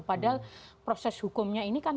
padahal proses hukumnya ini kan